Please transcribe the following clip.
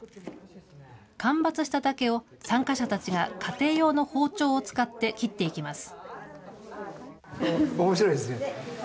間伐した竹を、参加者たちが家庭用の包丁を使って切っていきます。